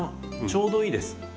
ちょうどいいです。